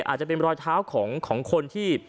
อาจจะเป็นรอยเท้าของคนที่